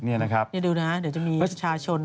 นี่นะครับนี้ดูนะครับเดี๋ยวจะมีผู้ชาชน